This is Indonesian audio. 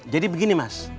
jadi begini mas